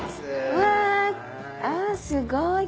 うわあすごい。